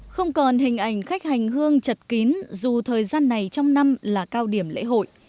không còn hình ảnh khách hành hương chật kín dù thời gian này trong năm là cao điểm lễ hội